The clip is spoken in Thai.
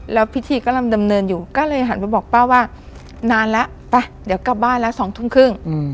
แล้วพิธีกำลังดำเนินอยู่ก็เลยหันไปบอกป้าว่านานแล้วไปเดี๋ยวกลับบ้านแล้ว๒ทุ่มครึ่ง